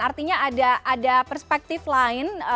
artinya ada perspektif lain